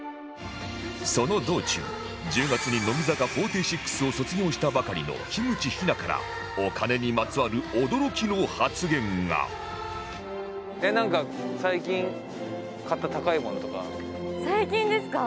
その道中１０月に乃木坂４６を卒業したばかりの樋口日奈からお金にまつわる驚きの発言がなんか最近ですか？